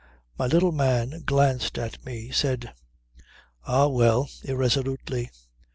My little man glanced at me, said "Ah! Well," irresolutely.